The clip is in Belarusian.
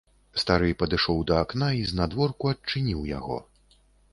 Стары падышоў да акна і знадворку адчыніў яго.